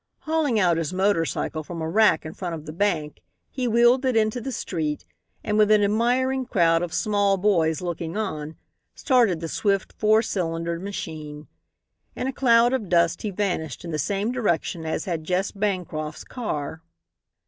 Hauling out his motor cycle from a rack in front of the bank he wheeled it into the street, and with an admiring crowd of small boys looking on, started the swift, four cylindered machine. In a cloud of dust he vanished in the same direction as had Jess Bancroft's car.